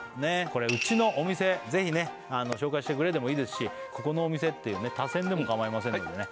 これ「うちのお店ぜひ紹介してくれ」でもいいですしここのお店っていう他薦でも構いませんのでね